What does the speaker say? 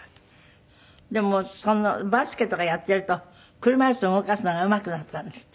でもバスケとかやってると車いすを動かすのがうまくなったんですって？